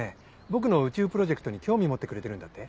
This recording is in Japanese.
僕の宇宙プロジェクトに興味持ってくれてるんだって？